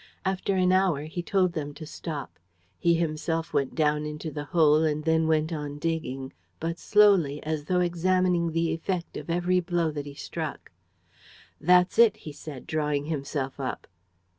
After an hour, he told them to stop. He himself went down into the hole and then went on digging, but slowly and as though examining the effect of every blow that he struck. "That's it!" he said, drawing himself up.